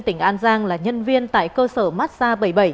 tỉnh an giang là nhân viên tại cơ sở mát xa bảy mươi bảy